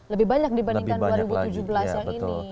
lebih banyak dibandingkan dua ribu tujuh belas yang ini